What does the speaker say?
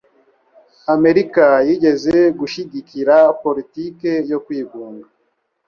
Amerika yigeze gushigikira politiki yo kwigunga.